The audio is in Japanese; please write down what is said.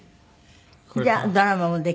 じゃあドラマもできる？